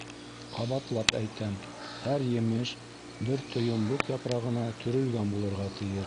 Ҡабатлап әйтәм: һәр емеш бер тойомбоҡ япрағына төрөлгән булырға тейеш.